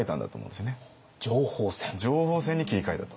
情報戦に切り替えたと。